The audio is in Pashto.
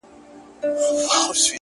د تورو زلفو په هر تار راته خبري کوه ـ